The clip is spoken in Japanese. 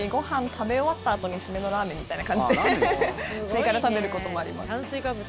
食べ終わったあとに締めのラーメンみたいな感じで追加で食べることもあります。